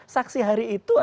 saksi hari itu adalah